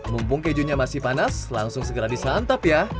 mumpung kejunya masih panas langsung segera disantap ya